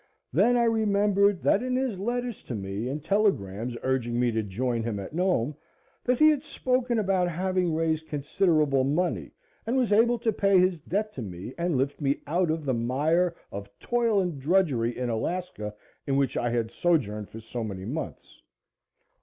Then I remembered that in his letters to me and telegrams urging me to join him at Nome he had spoken about having raised considerable money and was able to pay his debt to me and lift me out of the mire of toil and drudgery in Alaska, in which I had sojourned for so many months.